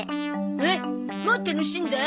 えっもう楽しんだ？